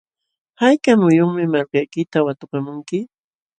¿hayka muyunmi malkaykita watukamunki?